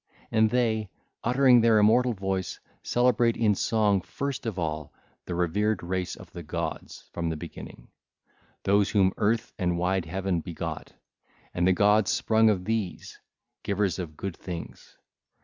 And they uttering their immortal voice, celebrate in song first of all the reverend race of the gods from the beginning, those whom Earth and wide Heaven begot, and the gods sprung of these, givers of good things.